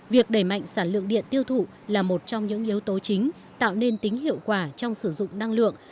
việc đẩy mạnh sản lượng điện tiêu thụ là một trong những yếu tố chính tạo nên tính hiệu quả trong sử dụng năng lượng